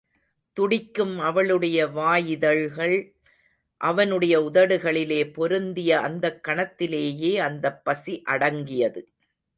துடிக்கும் அவளுடைய வாயிதழ்கள் அவனுடைய உதடுகளிலே பொருந்திய அந்தக் கணத்திலேயே அந்தப் பசி அடங்கியது.